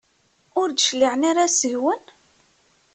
Ur d-cliɛen ara seg-wen?